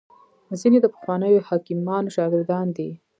ځیني د پخوانیو حکیمانو شاګردان دي